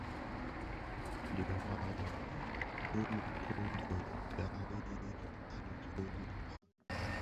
Nyi waren bi měkure dhi gari yi fikali fi měkpa.